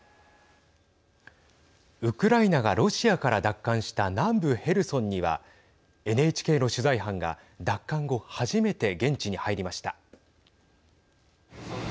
ウクライナがロシアから奪還した南部ヘルソンにはＮＨＫの取材班が奪還後初めて現地に入りました。